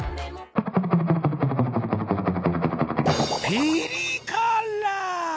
ピリ辛！